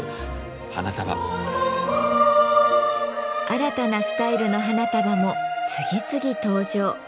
新たなスタイルの花束も次々登場。